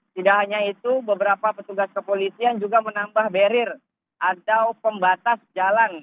tidak hanya itu beberapa petugas kepolisian juga menambah barrier atau pembatas jalan